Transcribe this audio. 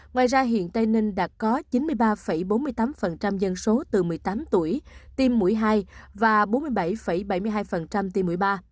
ngoài ra hiện tây ninh đã có chín mươi ba bốn mươi tám dân số từ một mươi tám tuổi tiêm mũi hai và bốn mươi bảy bảy mươi hai tiêm mũi ba